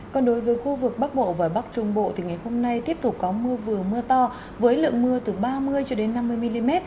còn đối với khu vực bắc bộ và bắc trung bộ thì ngày hôm nay tiếp tục có mưa vừa mưa to với lượng mưa từ ba mươi năm mươi mm